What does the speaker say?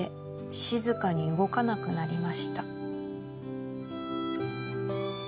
「しずかにうごかなくなりました」